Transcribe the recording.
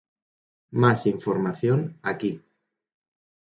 Más información "aquí".